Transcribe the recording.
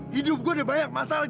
hidup gue udah banyak masalah